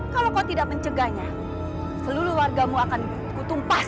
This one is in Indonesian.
kalau kau tidak mencegahnya seluruh warga mu akan kutumpas